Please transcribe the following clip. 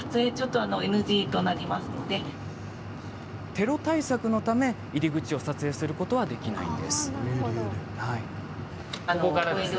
テロ対策のため、入り口を撮影することはできません。